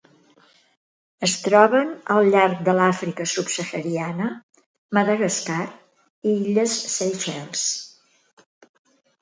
Es troben al llarg de l'Àfrica subsahariana, Madagascar i illes Seychelles.